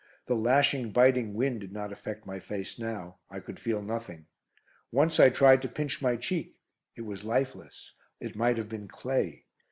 The lashing, biting wind did not affect my face now. I could feel nothing. Once I tried to pinch my cheek; it was lifeless. It might have been clay.